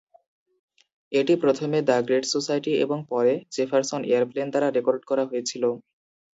এটি প্রথমে the great society এবং পরে জেফারসন এয়ারপ্লেন দ্বারা রেকর্ড করা হয়েছিল।